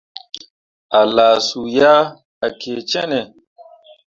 A laa su ah, a kii cenne.